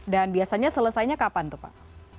dan biasanya selesainya kapan tuh pak